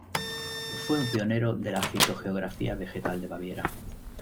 Fue un pionero de la fitogeografía vegetal de Baviera.